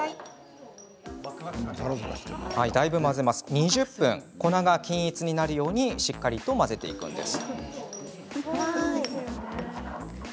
２０分、粉が均一になるようしっかりと混ぜていきます。